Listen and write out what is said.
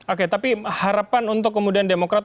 oke tapi harapan untuk kemudian demokrat